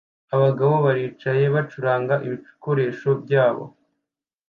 Abagabo baricaye bacuranga ibikoresho byabo